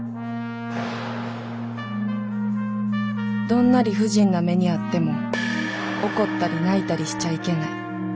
どんな理不尽な目に遭っても怒ったり泣いたりしちゃいけない。